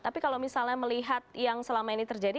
tapi kalau misalnya melihat yang selama ini terjadi